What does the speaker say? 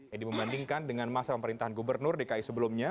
edi membandingkan dengan masa pemerintahan gubernur dki sebelumnya